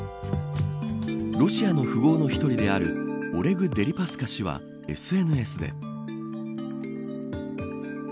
ロシアの富豪の１人であるオレグ・デリパスカ氏はＳＮＳで。